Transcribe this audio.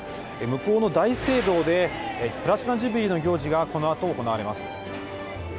向こうの大聖堂で、プラチナ・ジュビリーの行事が、このあと行われます。